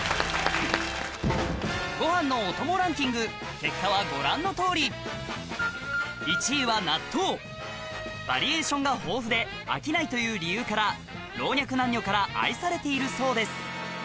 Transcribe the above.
結果はご覧のとおり１位は納豆バリエーションが豊富で飽きないという理由から老若男女から愛されているそうです